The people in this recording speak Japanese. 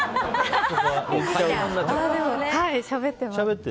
はい、しゃべってます。